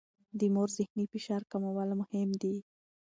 د مور ذهني فشار کمول مهم دي.